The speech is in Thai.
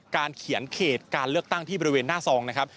เขียนเขตการเลือกตั้งที่บริเวณหน้าซองนะครับ